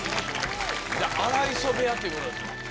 「荒磯部屋」っていうことですか？